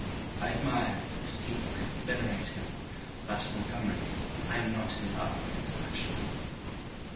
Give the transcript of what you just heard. I admire, seek, venerate her; but, Montgomery, I am not in love with Miss Ashburn.